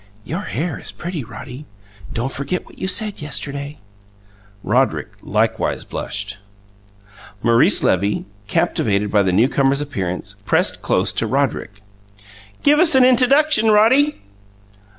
"Your hair is pretty, Roddy! Don't forget what you said yesterday!" Roderick likewise blushed. Maurice Levy, captivated by the newcomer's appearance, pressed close to Roderick. "Give us an intaduction, Roddy?"